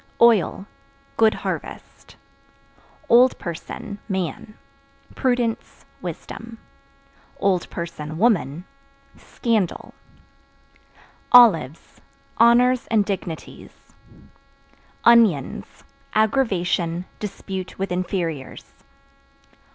Oil Good harvest. Old Person (Man) prudence, wisdom; (woman) scandal. Olives Honors and dignities. Onions Aggravation, dispute with inferiors.